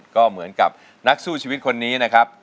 ก็เหมือนกับนักสู้ชีวิตคนนี้นะครับ